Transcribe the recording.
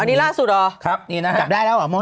อันนี้ล่าสุดหรอจับได้แล้วหรอม่อน